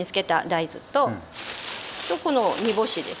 とこの煮干しです。